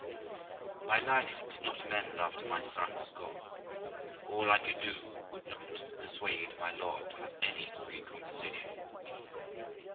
My life did not mend after my son was gone; all I could do would not persuade my lord to have any free conversation with me.